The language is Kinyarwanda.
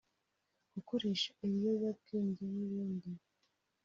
gukoresha ibiyobyabwenge n’ibindi